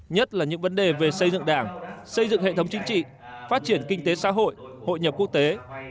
nhất là những vấn đề về xây dựng đảng xây dựng hệ thống chính trị phát triển kinh tế xã hội hội nhập quốc tế